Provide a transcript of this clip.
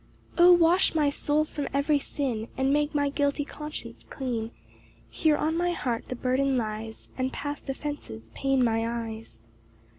3 O wash my Soul from every sin, And make my guilty conscience clean; Here on my heart the burden lies, And past offences pain my eyes.